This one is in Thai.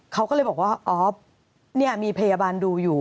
เขาก็เลยบอกว่าอ๋อเนี่ยมีพยาบาลดูอยู่